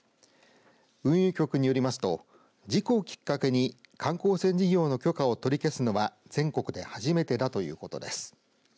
運輸局によりますと事故をきっかけに観光船事業の許可を取り消すのは全国で初めてだということです。